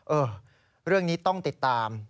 เออเรื่องนี้ต้องติดตาม